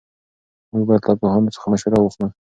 موږ باید له پوهانو څخه مشوره واخلو.